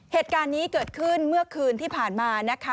เหตุการณ์นี้เกิดขึ้นเมื่อคืนที่ผ่านมานะคะ